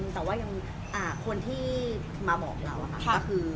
แต่ว่าคนที่มาหมอกเราคือ